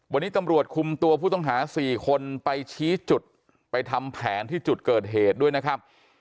วันนี้ตำรวจคุมตัวผู้ต้องหา๔คนไปชี้จุดไปทำแผนที่จุดเกิดเหตุด้วยนะครับ